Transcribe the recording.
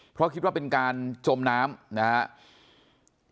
เพราะคิดว่าเป็นการจมน้ำนะครับ